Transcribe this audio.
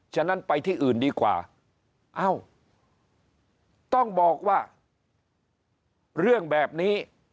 ฉะนั้นไปที่อื่นดีกว่าเอ้าต้องบอกว่าเรื่องแบบนี้